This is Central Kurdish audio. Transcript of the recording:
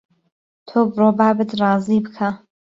تۆ بڕۆ بابت رازی بکه